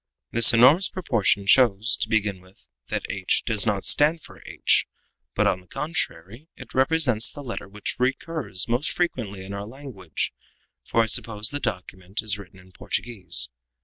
This enormous proportion shows, to begin with, that h does not stand for h, but, on the contrary, that it represents the letter which recurs most frequently in our language, for I suppose the document is written in Portuguese.